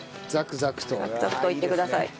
ザクザクといってください。